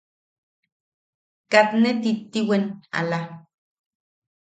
Katne titiiwen... ala...